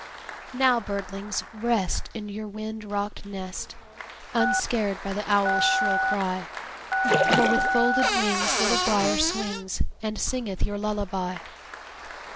Now, birdlings, rest, In your wind rocked nest, Unscared by the owl's shrill cry; For with folded wings Little Brier swings, And singeth your lullaby.